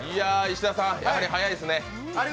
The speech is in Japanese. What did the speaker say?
石田さん、やっぱり速いですね。